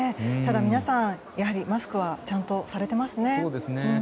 ただ皆さん、やはりマスクはちゃんとされていますね。